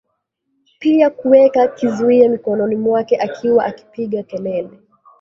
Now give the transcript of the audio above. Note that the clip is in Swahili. pia kuweka kizuia mikononi mwake akiwa akipiga kelele